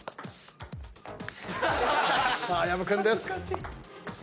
さあ薮君です。